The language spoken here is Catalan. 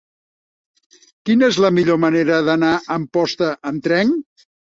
Quina és la millor manera d'anar a Amposta amb tren?